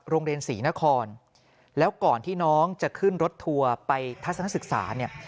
โรงเรียนศรีนครแล้วก่อนที่น้องจะขึ้นรถทัวร์ไปทัศนศึกษาเนี่ย